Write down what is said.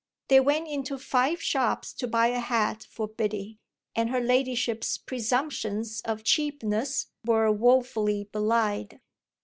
They went into five shops to buy a hat for Biddy, and her ladyship's presumptions of cheapness were woefully belied.